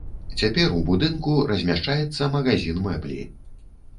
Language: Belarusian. Цяпер у будынку размяшчаецца магазін мэблі.